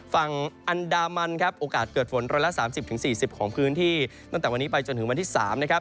ฝั่งอันดามันโอกาสเกิดฝนร้อยละ๓๐๔๐ของพื้นที่ตั้งแต่วันนี้ไปจนถึงวันที่๓